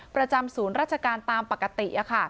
ประจำศูนย์ราชการตามปกติ